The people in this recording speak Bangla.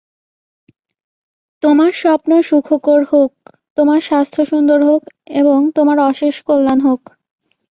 তোমার স্বপ্ন সুখকর হোক, তোমার স্বাস্থ্য সুন্দর হোক এবং তোমার অশেষ কল্যাণ হোক।